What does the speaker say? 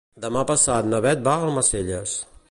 Demà passat na Beth va a Almacelles.